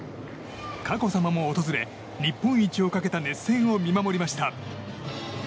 佳子さまも訪れ日本一をかけた熱戦を見守りました。